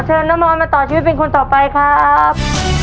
ขอเชิญน้องมอนมาต่อชีวิตเป็นคนต่อไปครับ